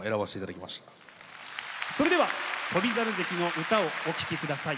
それでは翔猿関の歌をお聴き下さい。